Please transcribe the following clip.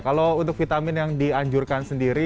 kalau untuk vitamin yang dianjurkan sendiri